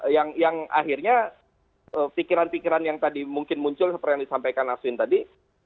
yang akhirnya pikiran pikiran yang tadi mungkin muncul seperti yang disampaikan aswin tadi